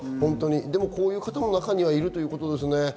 でもこういう方も中にはいるということですね。